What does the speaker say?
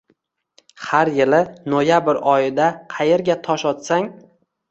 Har yili noyabr oyida qayerga tosh otsang